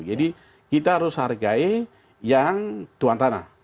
kita harus hargai yang tuan tanah